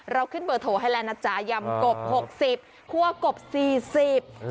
เราขึ้นเบอร์โทรให้แล้วนะจ๊ะยำกบหกสิบคั่วกบสี่สิบ